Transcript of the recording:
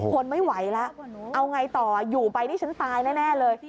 ทนไม่ไหวแล้วเอาไงต่ออยู่ไปนี่ฉันตายแน่เลย